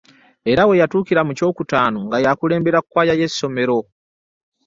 Era we yatuukira mu kyokutaano nga y’akulembera kkwaya y’essomero.